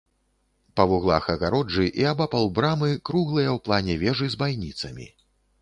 Па вуглах агароджы і абапал брамы круглыя ў плане вежы з байніцамі.